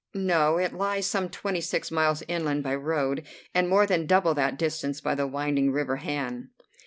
"No. It lies some twenty six miles inland by road, and more than double that distance by the winding river Han."